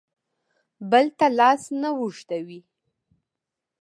بل ته لاس نه اوږدوي.